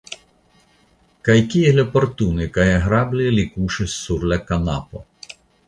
Kaj kiel oportune kaj agrable li kuŝis sur la kanapo!